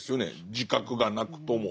自覚がなくとも。